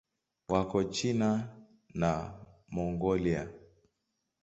Wako China na Mongolia.